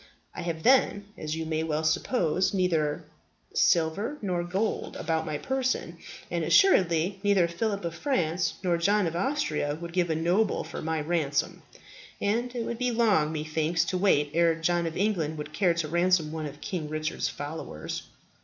I have, then, as you may well suppose, neither silver nor gold about my person; and assuredly neither Philip of France nor John of Austria would give a noble for my ransom; and it would be long, methinks, to wait ere John of England would care to ransom one of King Richard's followers."